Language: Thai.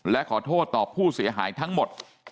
และขอโทษต่อผู้เสียหายทั้งหมด